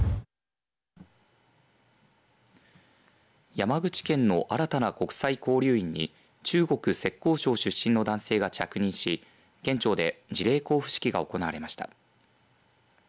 山口県の新たな国際交流員に中国浙江省出身の男性が着任し県庁で辞令交付式が行われました。